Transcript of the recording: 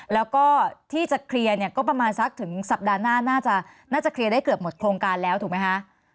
แล้วก็ที่จะเคลียร์เนี่ยก็ประมาณสักถึงสัปดาห์หน้าน่าจะเคลียร์ได้เกือบหมดโครงการแล้วถูกไหมคะ